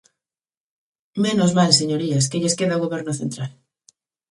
¡Menos mal, señorías, que lles queda o Goberno central!